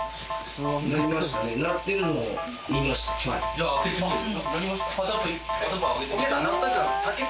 じゃあ開けてみる？